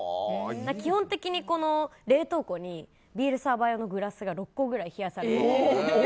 基本的に冷凍庫にビールサーバー用のグラスが６個ぐらい冷やされてます。